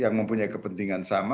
yang mempunyai kepentingan yang lainnya